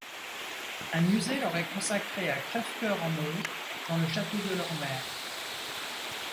Un musée leur est consacré à Crèvecœur-en-Auge dans le château de leur mère.